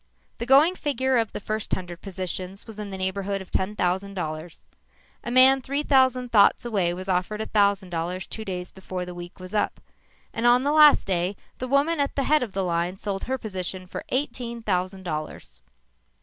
The going figure of the first hundred positions was in the neighborhood of ten thousand dollars. A man three thousand thoughts away was offered a thousand dollars two days before the week was up, and on the last day, the woman at the head of the line sold her position for eighteen thousand dollars.